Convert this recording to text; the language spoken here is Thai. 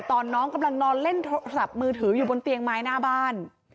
ตอนน้องกำลังนอนเล่นโทรศัพท์มือถืออยู่บนเตียงไม้หน้าบ้าน